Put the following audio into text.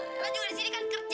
ella juga di sini kan kerja